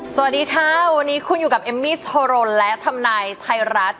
สวัสดีค่ะวันนี้คุณอยู่กับเอมมี่สโทรนและทำนายไทยรัฐ